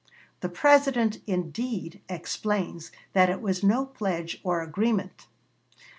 The President, indeed, explains that it was no pledge or agreement.